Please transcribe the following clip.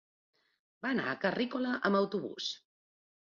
Va anar a Carrícola amb autobús.